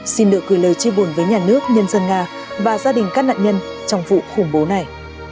xin được gửi lời chia buồn với nhà nước nhân dân nga và gia đình các nạn nhân trong vụ khủng bố này